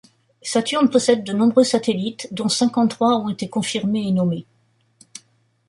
Saturne possède de nombreux satellites, dont cinquante-trois ont été confirmés et nommés.